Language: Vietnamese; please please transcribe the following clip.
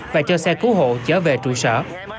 và cho xe cứu hộ chở về trụ sở